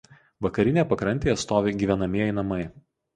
Vakarinėje pakrantėje stovi gyvenamieji namai.